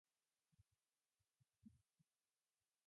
わたしの身体は全てスイーツで構成されています